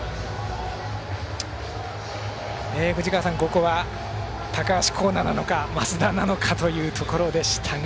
藤川さん、ここは高橋光成なのか増田なのかというところでしたが。